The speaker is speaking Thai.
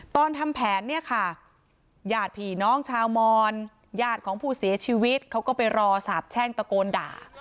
ตอนทำแผนเนี่ยค่ะญาติผีน้องชาวมอนญาติของผู้เสียชีวิตเขาก็ไปรอสาบแช่งตะโกนด่า